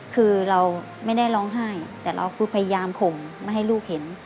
คือเราไม่ได้ร้องไห้แต่เราคือพยายามข่มไม่ให้ลูกเห็น